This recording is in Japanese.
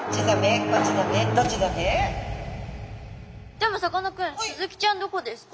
でもさかなクンスズキちゃんどこですか？